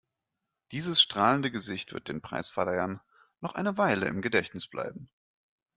Dieses strahlende Gesicht wird den Preisverleihern noch eine Weile im Gedächtnis bleiben.